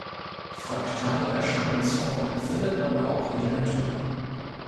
Fraktale Erscheinungsformen findet man auch in der Natur.